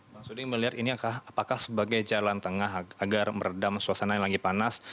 bang suding melihat ini apakah sebagai jalan tengah agar meredam suasana yang lagi panas